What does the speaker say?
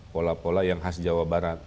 pola pola yang khas jawa barat